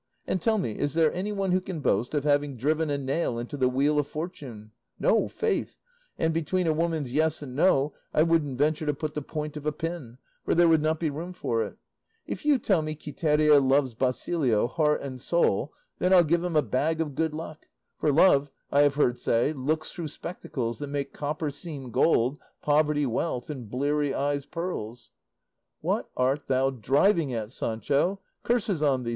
And tell me, is there anyone who can boast of having driven a nail into the wheel of fortune? No, faith; and between a woman's 'yes' and 'no' I wouldn't venture to put the point of a pin, for there would not be room for it; if you tell me Quiteria loves Basilio heart and soul, then I'll give him a bag of good luck; for love, I have heard say, looks through spectacles that make copper seem gold, poverty wealth, and bleary eyes pearls." "What art thou driving at, Sancho? curses on thee!"